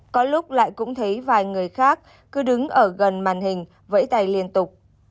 có lúc lại cũng thấy vài người khác cứ đứng ở gần màn hình vẫy tay liên tục